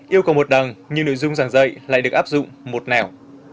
yêu cầu một đằng nhưng nội dung giảng dạy lại được áp dụng một nẻo